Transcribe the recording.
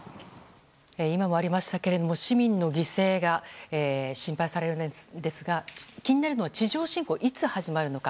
今もありましたけれども市民の犠牲が心配されるんですが気になるのは地上侵攻がいつ始まるのか。